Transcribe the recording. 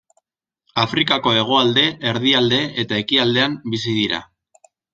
Afrikako hegoalde, erdialde eta ekialdean bizi dira.